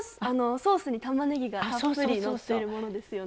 ソースにたまねぎがたっぷりのってるものですよね。